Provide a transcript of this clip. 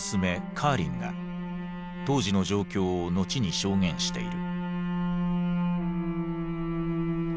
カーリンが当時の状況を後に証言している。